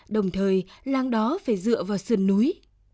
đồng thời làng đó phải dựa vào sườn núi